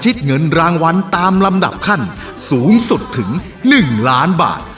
เงินรางวัลตามลำดับขั้นสูงสุดถึง๑ล้านบาท